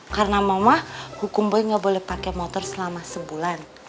karena mama hukum boleh ga pake motor selama sebulan